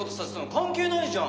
関係ないじゃん。